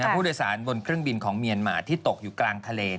ผู้โดยสารบนเครื่องบินของเมียนมาที่ตกอยู่กลางทะเล